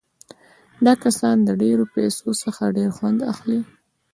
دا کسان له ډېرو پیسو څخه ډېر خوند اخلي